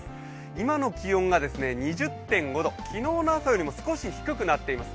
今の気温が２０．５度、昨日の朝よりも少し低くなっています。